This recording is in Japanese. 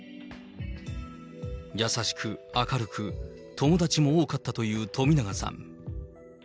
優しく明るく友達も多かったという冨永さん。